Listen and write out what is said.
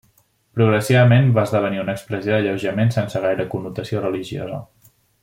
Progressivament va esdevenir una expressió d'alleujament sense gaire connotació religiosa.